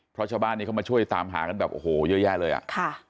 เพราะชาวบ้านนี้เขามาช่วยตามหากันแบบโอ้โหเยอะแยะเลยอ่ะค่ะ